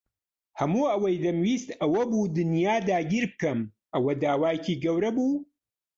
هەموو ئەوەی دەمویست ئەوە بوو دنیا داگیر بکەم. ئەوە داوایەکی گەورە بوو؟